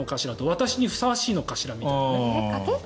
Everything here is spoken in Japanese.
私にふさわしいのかしらみたいな。